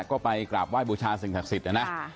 ก็ไปกราบว่ายบูชาศรักษิษย์นะฮะอ่า